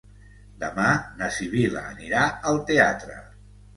Demà na Sibil·la anirà al teatre.